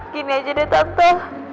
gini aja deh tante